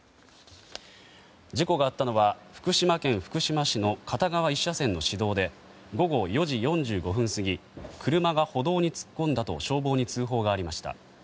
事故があったのは福島県福島市の片側１車線の市道で午後４時４５分過ぎ車が歩道に突っ込んだと消防に通報がありました。